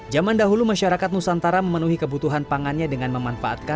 zaman dahulu masyarakat nusantara memenuhi kebutuhan pangannya dengan memanfaatkan